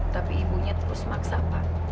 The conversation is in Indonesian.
tapi ibunya terus maksa pak